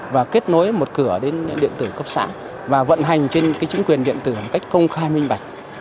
và kết nối một cửa đến điện tử cấp xã và vận hành trên chính quyền điện tử một cách công khai minh bạch